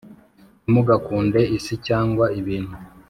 Ntimugakunde isi cyangwa ibintu